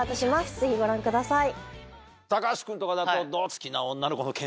ぜひご覧ください。